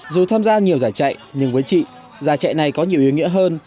dù tham gia nhiều giải chạy nhưng với chị giải chạy này có nhiều ý nghĩa hơn